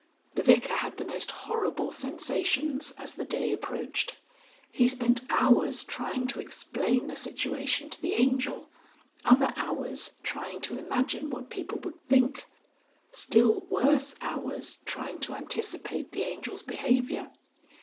The Vicar had the most horrible sensations as the day approached. He spent hours trying to explain the situation to the Angel, other hours trying to imagine what people would think, still worse hours trying to anticipate the Angel's behaviour.